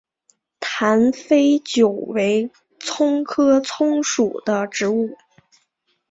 坛丝韭为葱科葱属的植物。